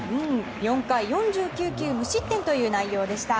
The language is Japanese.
４回４９球無失点という内容でした。